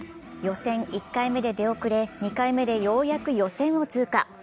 予選１回目で出遅れ、２回目でようやく予選を通過。